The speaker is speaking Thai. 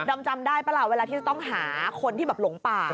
อมจำได้ป่ะล่ะเวลาที่จะต้องหาคนที่แบบหลงป่า